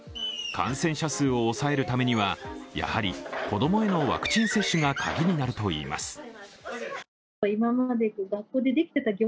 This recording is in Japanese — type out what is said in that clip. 感染者数を抑えるためにはやはり子供へのワクチン接種が鍵になるといいます。